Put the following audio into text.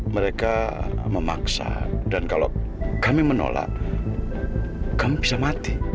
mereka memaksa dan kalau kami menolak kamu bisa mati